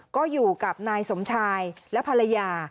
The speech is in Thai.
ก็อยู่กับนายสมชายและภรรยา